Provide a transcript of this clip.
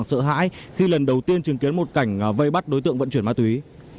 sợ hãi khi lần đầu tiên chứng kiến một cảnh vây bắt đối tượng vận chuyển ma túy